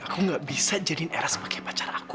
aku gak bisa jadiin era sebagai pacar aku